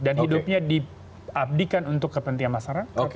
dan hidupnya diabdikan untuk kepentingan masyarakat